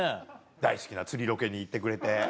大好きな釣りロケに行ってくれて。